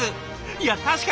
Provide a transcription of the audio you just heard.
いや確かにね